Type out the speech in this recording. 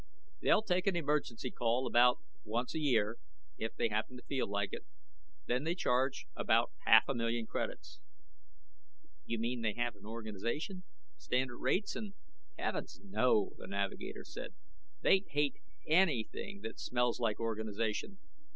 They'll take an emergency call about once a year if they happen to feel like it. Then they charge about half a million credits." "You mean they have an organization, standard rates and " "Heavens no!" the navigator said. "They hate anything that smells like organization.